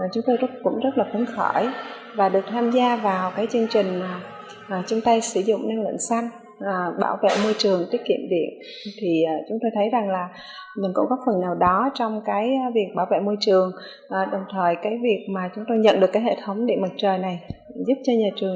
chúng tôi cũng rất là khứng khởi và được tham gia vào chương trình chung tay sử dụng năng lượng xanh